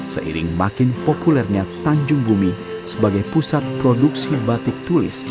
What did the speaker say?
seiring makin populernya tanjung bumi sebagai pusat produksi batik tulis